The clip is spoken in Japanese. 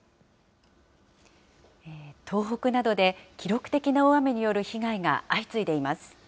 東北などで記録的な大雨による被害が相次いでいます。